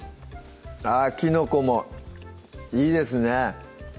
きのこもいいですね